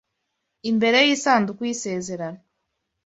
imbere y’isanduku y’isezerano